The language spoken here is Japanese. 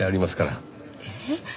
えっ？